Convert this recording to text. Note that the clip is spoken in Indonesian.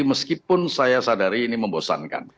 meskipun saya sadari ini membosankan